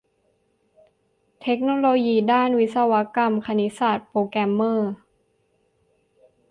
เทคโนโลยีด้านวิศวกรรม คณิตศาสตร์ โปรแกรมเมอร์